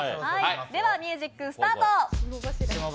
ではミュージックスタート。